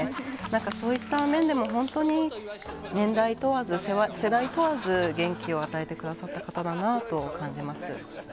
なんかそういった面でも、本当に年代問わず、世代問わず、元気を与えてくださった方だなと感じます。